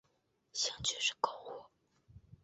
兴趣是购物。